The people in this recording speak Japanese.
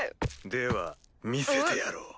では見せてやろう。